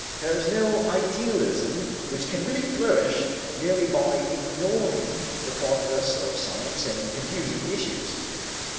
There is no idealism which can really flourish merely by ignoring the progress of science and confusing the issues.